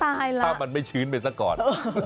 ตายละถ้ามันไม่ชื้นไปสักก่อน